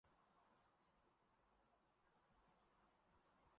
尿液中的草酸钙结晶是人类肾结石的主要成分。